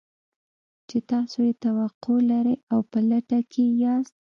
چې تاسې يې توقع لرئ او په لټه کې يې ياست.